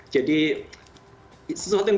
jadi sesuatu yang